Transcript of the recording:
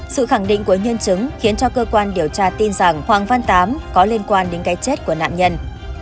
sự khẳng định của nhân chứng khiến cho cơ quan điều tra tin rằng hoàng văn tám có liên quan đến cái chết của nạn nhân